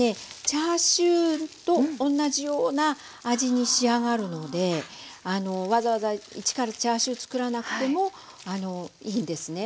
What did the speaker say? チャーシューと同じような味に仕上がるのでわざわざ一からチャーシュー作らなくてもいいんですね。